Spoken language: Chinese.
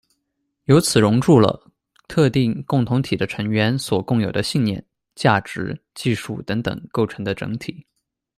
由此熔铸了“特定共同体的成员所共有的信念、价值、技术等等构成的整体”。